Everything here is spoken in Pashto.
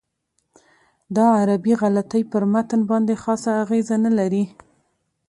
دا عربي غلطۍ پر متن باندې خاصه اغېزه نه لري.